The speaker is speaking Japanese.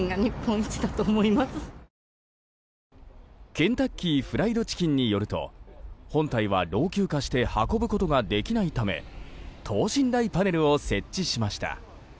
ケンタッキーフライドチキンによると本体は老朽化して運ぶことができないため等身大パネルを設置しました。